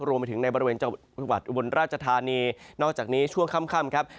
รวมไปถึงในบริเวณจังหวัดอุบลราชธานีนอกจากนี้ช่วงค่ำครับ